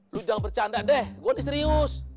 lu jangan bercanda deh gua nih serius